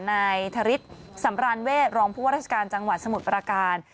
นายธริตสำราญเวทรองบ่อรัฐกาลจังหวัดสมุทรประการ